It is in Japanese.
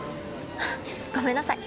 ごめんなさい。